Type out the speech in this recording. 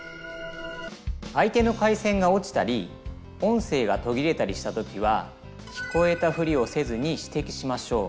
相手の回線が落ちたり音声が途切れたりした時は聞こえたふりをせずにしてきしましょう。